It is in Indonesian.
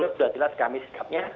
sudah jelas kami sikapnya